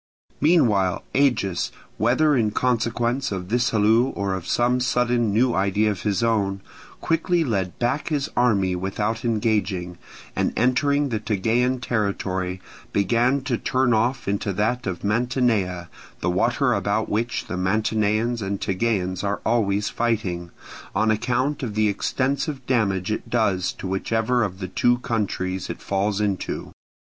Meanwhile Agis, whether in consequence of this halloo or of some sudden new idea of his own, quickly led back his army without engaging, and entering the Tegean territory, began to turn off into that of Mantinea the water about which the Mantineans and Tegeans are always fighting, on account of the extensive damage it does to whichever of the two countries it falls into.